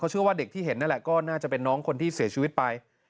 เชื่อว่าเด็กที่เห็นนั่นแหละก็น่าจะเป็นน้องคนที่เสียชีวิตไป